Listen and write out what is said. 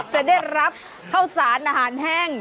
จะได้รับข้าวสารอาหารแห้ง